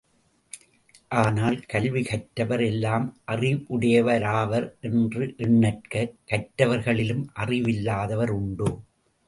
ஆனால், கல்வி கற்றவர் எல்லாம் அறிவுடையராவர் என்று எண்ணற்க கற்றவர்களிலும் அறிவில்லாதவர் உண்டு.